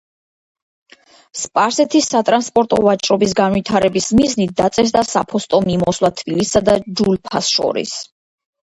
სპარსეთის სატრანსპორტო ვაჭრობის განვითარების მიზნით დაწესდა საფოსტო მიმოსვლა თბილისსა და ჯულფას შორის.